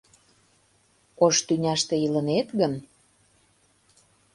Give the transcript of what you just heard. Ош тӱняште илынет гын